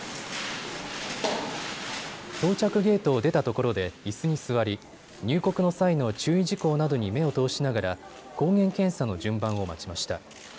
到着ゲートを出たところでいすに座り入国の際の注意事項などに目を通しながら抗原検査の順番を待ちました。